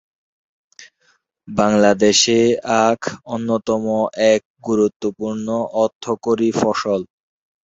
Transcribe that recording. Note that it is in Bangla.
বাংলাদেশে আখ অন্যতম এক গুরুত্বপূর্ণ অর্থকরী ফসল।